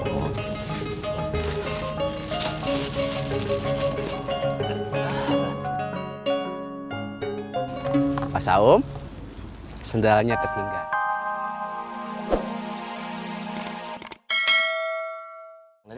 mas aom sendalanya tertinggal